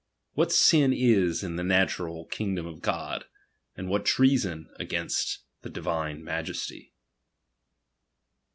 What sin is in the natural kingdom of God ; and what (reason against the Divine Majesty.